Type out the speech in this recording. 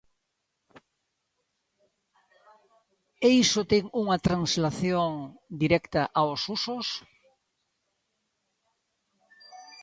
E iso ten unha translación directa aos usos.